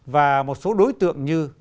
và một số đối tượng như